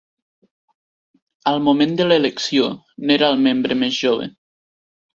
Al moment de l'elecció n'era el membre més jove.